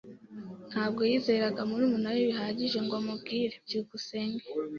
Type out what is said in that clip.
Ntabwo yizeraga murumuna we bihagije ngo amubwire. byukusenge